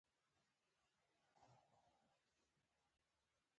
تاریخ د خپل ولس د دلاوري لامل دی.